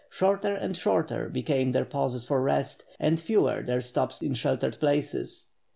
Shorter and shorter became their pauses for rest, and fewer their stops in sheltered places.